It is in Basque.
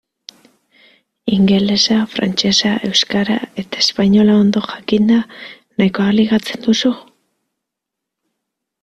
Ingelesa, frantsesa, euskara eta espainola ondo jakinda nahikoa ligatzen duzu?